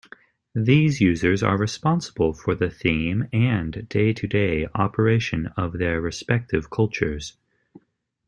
These users are responsible for the theme and day-to-day operation of their respective cultures.